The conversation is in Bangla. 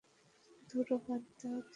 ধুরো, বাদ দাও তো!